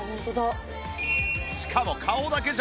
しかも顔だけじゃない！